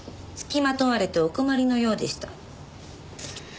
付きまとわれてお困りのようでした。